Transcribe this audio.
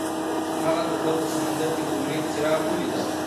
هغه د زړه په سمندر کې د امید څراغ ولید.